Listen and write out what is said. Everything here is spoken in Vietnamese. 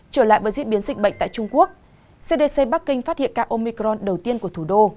trở lại với diễn biến dịch bệnh tại trung quốc cdc bắc kinh phát hiện ca omicron đầu tiên của thủ đô